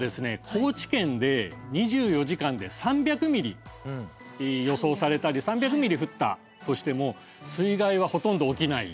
高知県で２４時間で３００ミリ予想されたり３００ミリ降ったとしても水害はほとんど起きない。